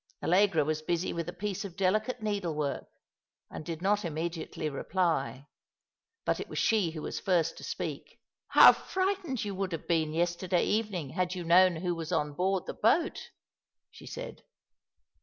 Allegra was busy with a piece of delicate needlework, and did not immediately reply ; but it was she who was first to speak. " How frightened you would have been yesterday evening had you known who was on board the boat," she said.